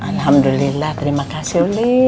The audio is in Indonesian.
alhamdulillah terima kasih uli